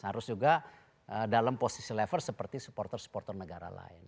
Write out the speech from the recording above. harus juga dalam posisi level seperti supporter supporter negara lain